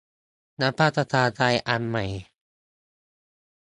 รัฐสภาไทยอันใหม่